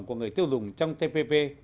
của người tiêu dùng trong tpp